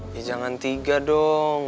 ya jangan tiga dong